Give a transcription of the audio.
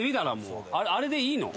あれでいいの？